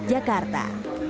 gria putri jakarta